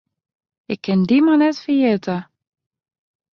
Ik kin dy mar net ferjitte.